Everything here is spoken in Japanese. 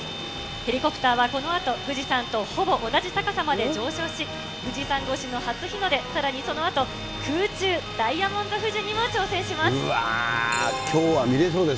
ヘリコプターはこのあと、富士山とほぼ同じ高さまで上昇し、富士山越しの初日の出、さらにそのあと空中ダイヤモンド富士にも挑戦します。